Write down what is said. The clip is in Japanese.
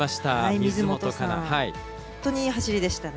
水本さん、本当にいい走りでしたね。